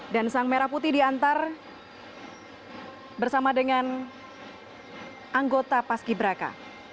dan sang merah putih diantar bersama dengan anggota paski braka